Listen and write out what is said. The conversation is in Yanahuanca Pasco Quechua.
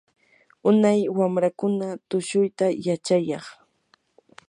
unay wamrakuna tushuyta yachayaq.